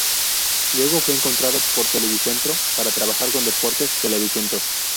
Luego fue contratado por Televicentro para trabajar con Deportes Televicentro.